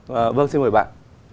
vâng xin mời bạn